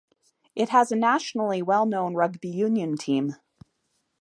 It has a nationally well known rugby union team.